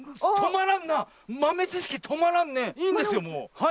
はい。